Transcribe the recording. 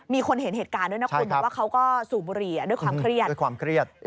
มีคนเห็นเหตุการณ์นะคุณว่าเขาก็สูบหรีด้วยความเชื่อ